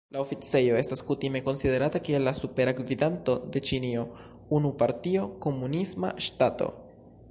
La oficejo estas kutime konsiderata kiel la Supera Gvidanto de Ĉinio, unu-partio komunisma ŝtato.